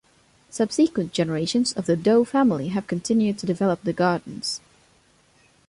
Subsequent generations of the Dow family have continued to develop the gardens.